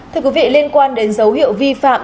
thưa quý vị liên quan đến dấu hiệu vi phạm